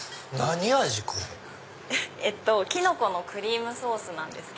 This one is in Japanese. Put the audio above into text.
キノコのクリームソースなんです。